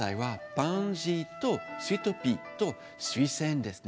パンジーとスイートピーとスイセンですね。